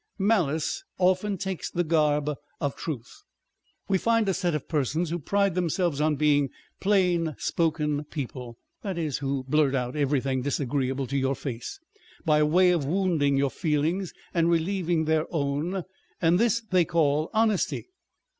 Malice often takes the garb of truth. We find a set of persons who pride themselves on being plain spoken people, that is, who blurt out everything disagree able to your face, by way of wounding your feelings and relieving their own, and this they call honesty.